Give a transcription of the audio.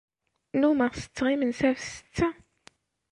Nnummeɣ setteɣ imensi ɣef setta.